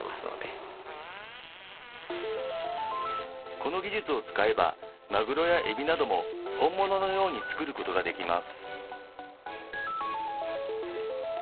この技術を使えば、マグロやエビなども、本物のように作ることができます。